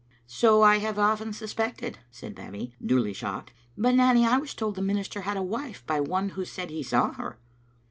"So I have often suspected," said Babbie, duly shocked. " But, Nanny, I was told the minister had a wife, by one who said he saw her."